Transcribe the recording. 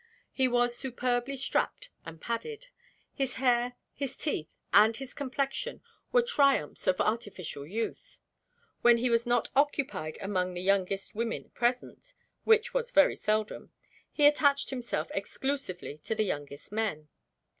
He was superbly strapped and padded. His hair, his teeth, and his complexion were triumphs of artificial youth. When he was not occupied among the youngest women present which was very seldom he attached himself exclusively to the youngest men.